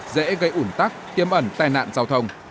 dễ gây ủn tắc tiêm ẩn tai nạn giao thông